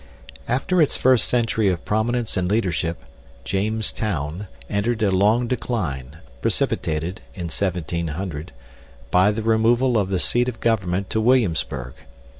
After its first century of prominence and leadership, "James Towne" entered a long decline, precipitated, in 1700, by the removal of the seat of government to Williamsburg.